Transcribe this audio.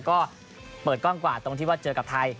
ก็เปิดกว้างกว่าตรงที่ว่าเจอกับไทย